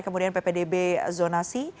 kemudian ppdb zonasi